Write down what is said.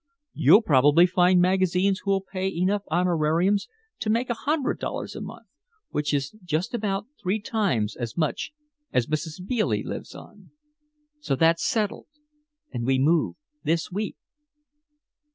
You'll probably find magazines who'll pay enough honorariums to make a hundred dollars a month, which is just about three times as much as Mrs. Bealey lives on. So that's settled and we move this week."